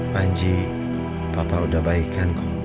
panji papa udah baik kan